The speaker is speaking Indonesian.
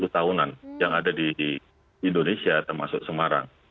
satu ratus lima puluh tahunan yang ada di indonesia termasuk semarang